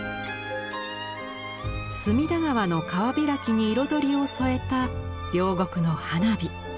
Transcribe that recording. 隅田川の川開きに彩りを添えた両国の花火。